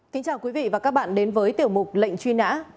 kính chào quý vị và các bạn đến với tiểu mục lệnh truy nã